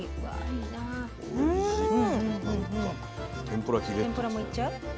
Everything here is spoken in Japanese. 天ぷらもいっちゃう？